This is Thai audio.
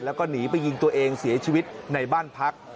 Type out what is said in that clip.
แล้วก็หนีไปยิงตัวเองเสียชีวิตในบ้านพัก